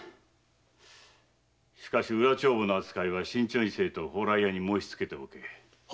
しかし裏帳簿の扱いは慎重にと蓬莱屋に申しつけておけ。